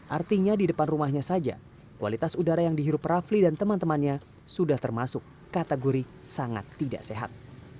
artinya di depan rumahnya saja kualitas udara yang dihirup rafli dan teman temannya sudah termasuk kategori sangat tidak sehat